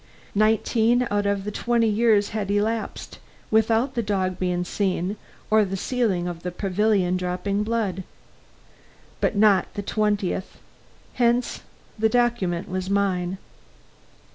Nineteen out of the twenty years had elapsed, without the dog being seen or the ceiling of the pavilion dropping blood. But not the twentieth; hence, the document was mine.